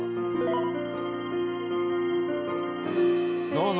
どうぞ。